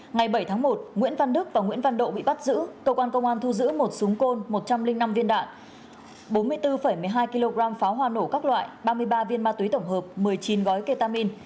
ngày bảy tháng một nguyễn văn đức và nguyễn văn độ bị bắt giữ cơ quan công an thu giữ một súng côn một trăm linh năm viên đạn bốn mươi bốn một mươi hai kg pháo hoa nổ các loại ba mươi ba viên ma túy tổng hợp một mươi chín gói ketamin